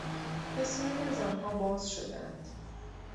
بسیاری از آنها باز شدهاند